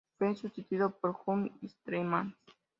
Fue sustituido por Gustav Stresemann.